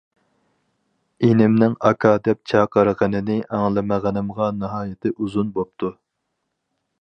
ئىنىمنىڭ« ئاكا» دەپ چاقىرغىنىنى ئاڭلىمىغىنىمغا ناھايىتى ئۇزۇن بوپتۇ.